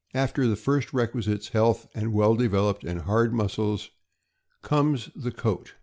After the first requisites, health and well developed and hard muscles, comes the coat.